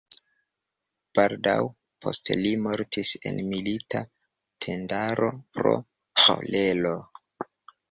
Baldaŭ poste li mortis en milita tendaro pro ĥolero.